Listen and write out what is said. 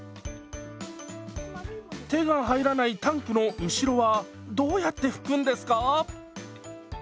手が入らないタンクの後ろはどうやって拭くんですか？